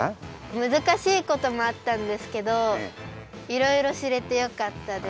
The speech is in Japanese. むずかしいこともあったんですけどいろいろしれてよかったです。